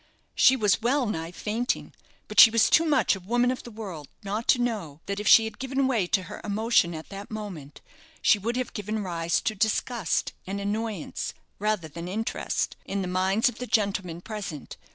She was well nigh fainting; but she was too much a woman of the world not to know that if she had given way to her emotion at that moment, she would have given rise to disgust and annoyance, rather than interest, in the minds of the gentlemen present.